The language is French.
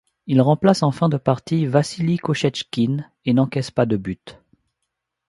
Il remplace en fin de partie Vassili Kochetchkine et n'encaisse pas de but.